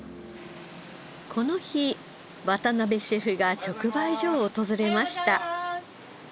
この日渡辺シェフが直売所を訪れました。